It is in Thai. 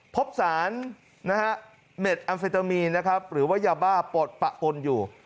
พบสารเม็ดแอมเฟตามีนนะครับหรือว่ายาบ้าปลดปะปนอยู่